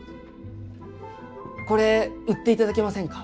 これ売って頂けませんか